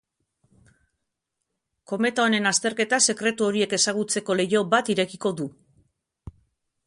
Kometa honen azterketak sekretu horiek ezagutzeko leiho bat irekiko du.